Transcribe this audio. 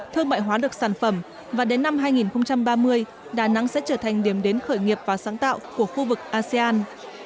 thương mại hóa được sản phẩm và đến năm hai nghìn ba mươi đà nẵng sẽ trở thành điểm đến khởi nghiệp và sáng tạo của khu vực asean